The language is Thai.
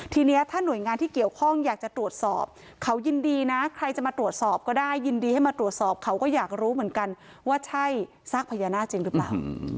ทีนี้ถ้าหน่วยงานที่เกี่ยวข้องอยากจะตรวจสอบเขายินดีนะใครจะมาตรวจสอบก็ได้ยินดีให้มาตรวจสอบเขาก็อยากรู้เหมือนกันว่าใช่ซากพญานาคจริงหรือเปล่า